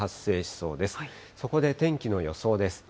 そこで天気の予想です。